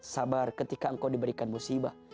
sabar ketika engkau diberikan musibah